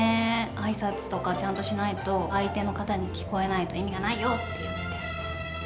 あいさつとかちゃんとしないと、相手の方に聞こえないと意味がないよ！って言って。